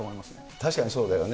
確かにそうだよね。